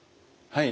はい。